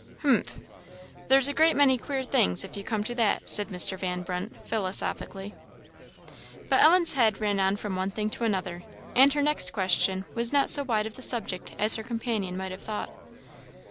"Humph! there's a great many queer things, if you come to that," said Mr. Van Brunt, philosophically. But Ellen's head ran on from one thing to another, and her next question was not so wide of the subject as her companion might have thought.